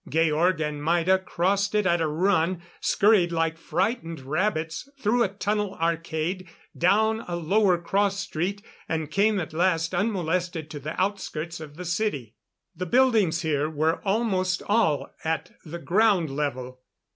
Georg and Maida crossed it at a run, scurried like frightened rabbits through a tunnel arcade, down a lower cross street, and came at last unmolested to the outskirts of the city. The buildings here were almost all at the ground level.